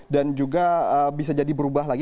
dan juga bisa jadi berubah lagi